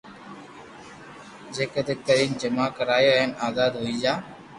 جڪدو ڪرين جما ڪراو ھين آزاد ھوئي جا